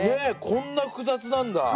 こんな複雑なんだ。